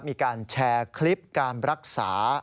มีการแชร์คลิปการรักษา